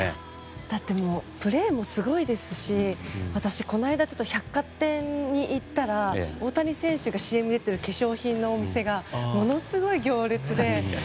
だってプレーもすごいですし私この間、ちょっと百貨店に行ったら大谷選手がＣＭに出てる化粧品のお店がものすごい行列で。